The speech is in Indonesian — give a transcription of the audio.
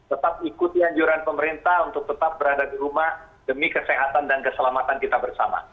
tetap ikuti anjuran pemerintah untuk tetap berada di rumah demi kesehatan dan keselamatan kita bersama